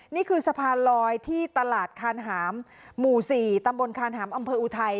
นี่คือสะพานลอยที่ตลาดคานหามหมู่๔ตำบลคานหามอำเภออุทัย